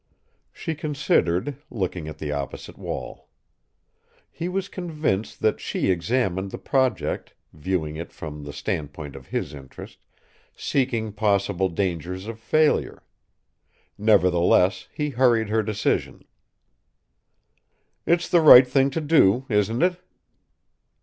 She considered, looking at the opposite wall. He was convinced that she examined the project, viewing it from the standpoint of his interest, seeking possible dangers of failure. Nevertheless, he hurried her decision. "It's the thing to do, isn't it?"